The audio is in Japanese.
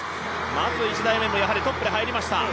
まず１台目はトップで入りました。